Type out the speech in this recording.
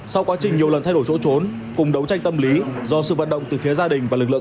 sau quá trình nhiều lần thay đổi chỗ trốn cùng đấu tranh tâm lý do sự vận động từ phía gia đình và lực lượng